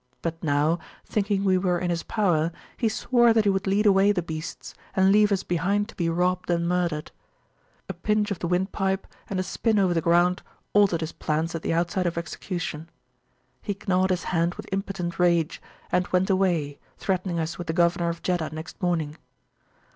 But now, thinking we were in his power, he swore that he would lead away the beasts, and leave us behind to be robbed and murdered. A pinch of the windpipe, and a spin over the ground, altered his plans at the outset of execution. He gnawed his hand with impotent rage, and went away, threatening us with the Governor of Jeddah next morning.